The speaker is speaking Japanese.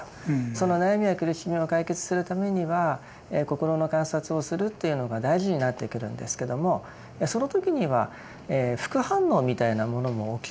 その悩みや苦しみを解決するためには心の観察をするっていうのが大事になってくるんですけどもその時には副反応みたいなものも起きると。